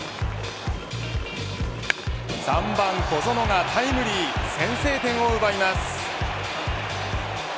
３番小園がタイムリー先制点を奪います。